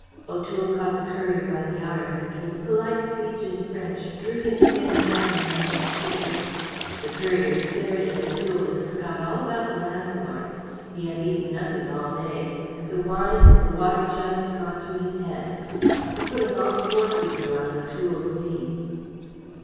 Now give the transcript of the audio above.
O'Toole caught the courier by the arm and with a polite speech in French drew him again down into his chair. The courier stared at O'Toole and forgot all about the landlord. He had eaten nothing all day, and the wine and the water jug had gone to his head. He put a long forefinger on O'Toole's knee.